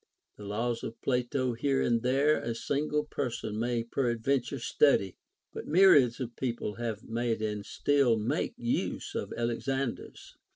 The laws of Plato here and there a single person may peradventure study, but myriads of people have made and still make use of Alexander's.